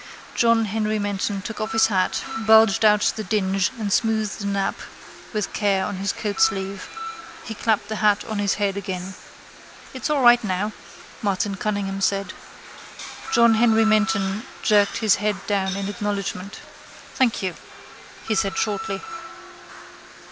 John Henry Menton took off his hat, bulged out the dinge and smoothed the nap with care on his coatsleeve. He clapped the hat on his head again. —It's all right now, Martin Cunningham said. John Henry Menton jerked his head down in acknowledgment. —Thank you, he said shortly.